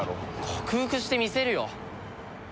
克服してみせるよ。